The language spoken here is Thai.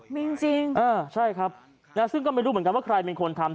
มีจริงอ่าใช่ครับนะซึ่งก็ไม่รู้เหมือนกันว่าใครเป็นคนทำ